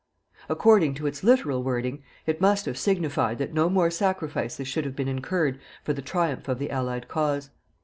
According to its literal wording, it must have signified that no more sacrifices should have been incurred for the triumph of the Allied cause.